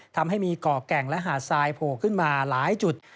ทำให้มีก่อแก่งและหาดทรายโผล่ขึ้นมาหลายจุด